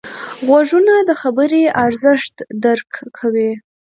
غوږونه د خبرې ارزښت درک کوي